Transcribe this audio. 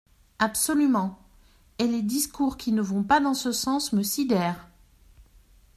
Absolument ! Et les discours qui ne vont pas dans ce sens me sidèrent.